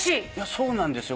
そうなんですよ